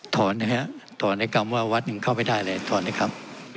ถอนนะครับถอนในคำว่าวัดยังเข้าไม่ได้เลยถอนนะครับ